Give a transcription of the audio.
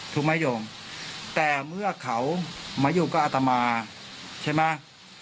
ถูกไหมโยงแต่เมื่อเขามาอยู่กับอัตมาใช่ไหม